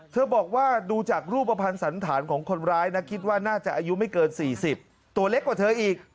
บอกว่าดูจากรูปภัณฑ์สันธารของคนร้ายนะคิดว่าน่าจะอายุไม่เกิน๔๐ตัวเล็กกว่าเธออีก